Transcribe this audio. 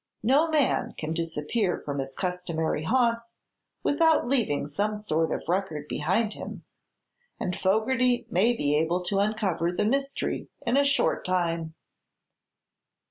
No man can disappear from his customary haunts without leaving some sort of a record behind him, and Fogerty may be able to uncover the mystery in a short time."